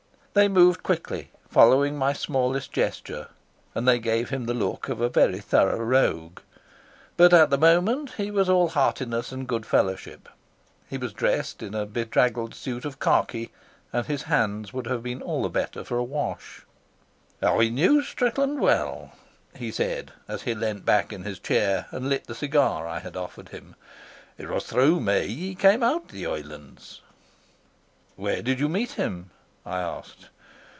They moved quickly, following my smallest gesture, and they gave him the look of a very thorough rogue. But at the moment he was all heartiness and good fellowship. He was dressed in a bedraggled suit of khaki, and his hands would have been all the better for a wash. "I knew Strickland well," he said, as he leaned back in his chair and lit the cigar I had offered him. "It's through me he came out to the islands." "Where did you meet him?" I asked.